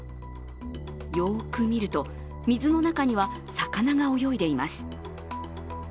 よく見ると、水の中には魚が泳いでいます。